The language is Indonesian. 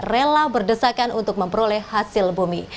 rela berdesakan untuk memperoleh hasil bumi